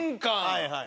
はいはい。